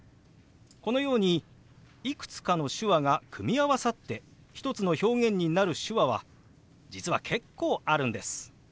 このようにいくつかの手話が組み合わさって一つの表現になる手話は実は結構あるんです。